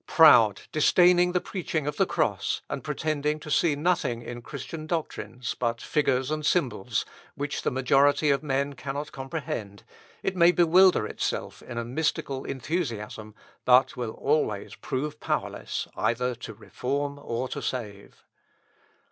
Proud, disdaining the preaching of the cross, and pretending to see nothing in Christian doctrines but figures and symbols, which the majority of men cannot comprehend, it may bewilder itself in a mystical enthusiasm, but will always prove powerless, either to reform or to save.